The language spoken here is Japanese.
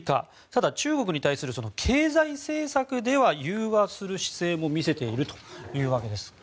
ただ、中国に対する経済政策では融和する姿勢も見せているということです。